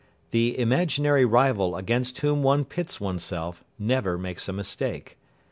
The imaginary rival against whom one pits oneself never makes a mistake.